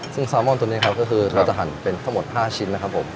ซึ่งแซลมอนตัวนี้ครับก็คือเราจะหั่นเป็นทั้งหมด๕ชิ้นนะครับผม